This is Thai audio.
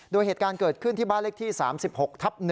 โดยเหตุการณ์เกิดขึ้นที่บ้านเลขที่๓๖ทับ๑